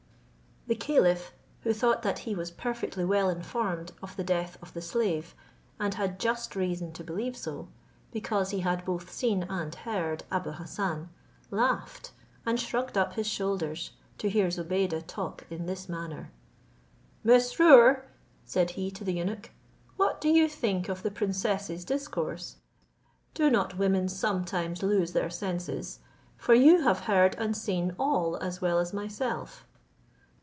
The caliph, who thought that he was perfectly well informed of the death of the slave, and had just reason to believe so, because he had both seen and heard Abou Hassan, laughed, and shrugged up his shoulders, to hear Zobeide talk in this manner. "Mesrour," said he, to the eunuch, "what do you think of the princess's discourse? Do not women sometimes lose their senses; for you have heard and seen all as well as myself?"